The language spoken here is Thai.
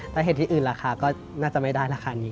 แต่เห็ดที่อื่นราคาก็น่าจะไม่ได้ราคานี้